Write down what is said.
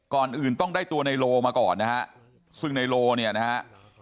ก่อนอื่นต้องได้ตัวในโลมาก่อนนะฮะซึ่งในโลเนี่ยนะฮะ